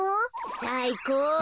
さあいこう。